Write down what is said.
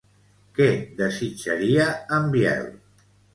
Què desitjaria, en Biel?